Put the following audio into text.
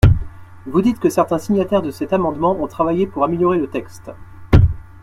Vous dites que certains signataires de cet amendement ont travaillé pour améliorer le texte.